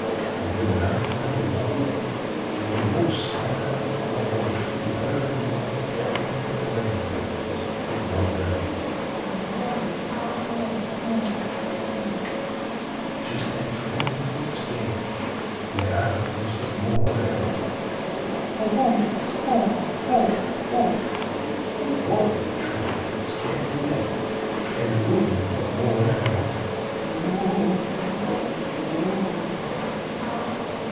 An' whin de night come erlong, dey ain't no sounds at all whut kin be heard in dat locality but de rain doves, whut mourn out, "Oo oo o o o!" jes dat trembulous an' scary, an' de owls, whut mourn out, "Whut whoo o o o!" more trembulous an' scary dan dat, an' de wind, whut mourn out, "You you o o o!"